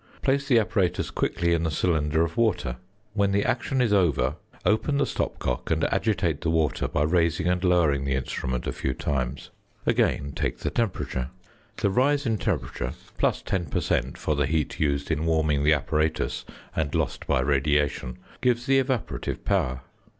Place the apparatus quickly in the cylinder of water. When the action is over open the stop cock and agitate the water by raising and lowering the instrument a few times. Again take the temperature. The rise in temperature, plus 10 per cent. for the heat used in warming the apparatus and lost by radiation, gives the evaporative power.